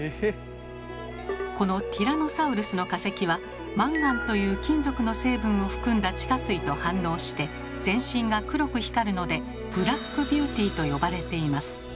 このティラノサウルスの化石は「マンガン」という金属の成分を含んだ地下水と反応して全身が黒く光るので「ブラックビューティー」と呼ばれています。